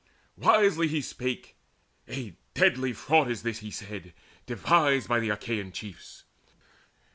Wisely he spake: "A deadly fraud is this," He said, "devised by the Achaean chiefs!"